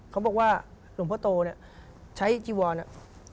เขาบอกว่าหลวงพ่อโตใช้จีวอลน่ะ